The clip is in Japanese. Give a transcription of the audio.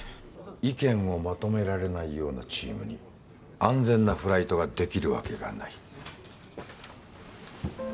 意見をまとめられないようなチームに安全なフライトができるわけがない。